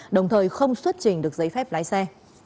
đồng thời không xuất trình được giấy phép lái xe